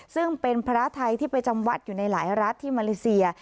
ซึ่งเป็นพระไทยที่ไปจำวัดอยู่ในหลายรัฐที่มาเลเซีย